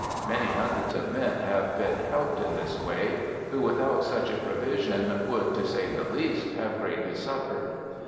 Many hundreds of men have been helped in this way, who, without such a provision, would, to say the least, have greatly suffered.